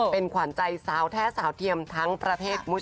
เป็นขวัญใจสาวแท้สาวเทียมทั้งประเทศคุณผู้ชม